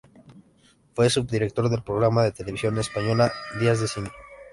Fue subdirector del programa de Televisión Española "Días de cine".